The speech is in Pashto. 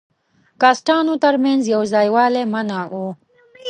کاسټانو تر منځ یو ځای والی منع وو.